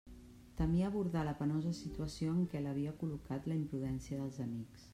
Temia abordar la penosa situació en què l'havia col·locat la imprudència dels amics.